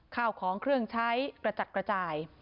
ข้าวของเครื่องใช้กระจัดกระจาย